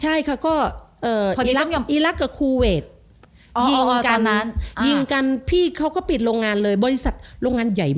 ใช่ค่ะก็พอดีอีรักษ์กับคูเวทยิงการนั้นยิงกันพี่เขาก็ปิดโรงงานเลยบริษัทโรงงานใหญ่มาก